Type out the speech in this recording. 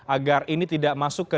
agar ini tidak masuk ke